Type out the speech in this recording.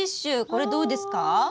これどうですか？